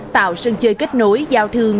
tạo sân chơi kết nối giao thương